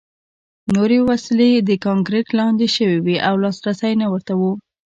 نورې وسلې د کانکریټ لاندې شوې وې او لاسرسی نه ورته و